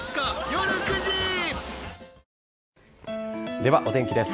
では、お天気です。